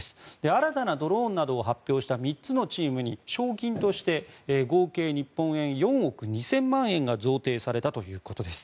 新たなドローンなどを発表した３つのチームに賞金として合計日本円で４億２０００万円が贈呈されたということです。